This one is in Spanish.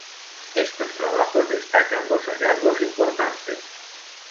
Estos trabajos destacan dos hallazgos importantes.